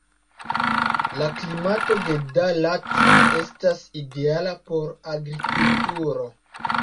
La klimato de Da Lat estas ideala por agrikulturo.